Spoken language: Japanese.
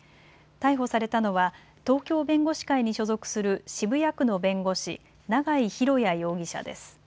逮捕されたのは東京弁護士会に所属する渋谷区の弁護士、永井博也容疑者です。